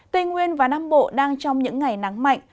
tây nguyên và nam bộ đang trong những ngày nắng mạnh